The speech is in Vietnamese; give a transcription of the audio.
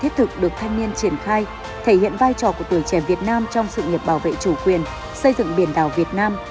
thiết thực được thanh niên triển khai thể hiện vai trò của tuổi trẻ việt nam trong sự nghiệp bảo vệ chủ quyền xây dựng biển đảo việt nam